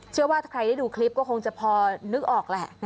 เชื่อว่าถ้าใครได้ดูคลิปก็คงจะพอนึกออกแหละ